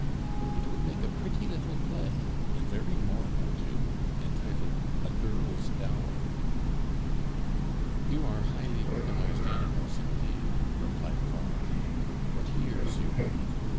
It would make a pretty little play, and very moral too, entitled 'A Girl's Dower.'" "You are highly organized animals, indeed," replied Corentin. "What ears you have!